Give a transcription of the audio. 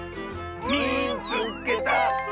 「みいつけた！」。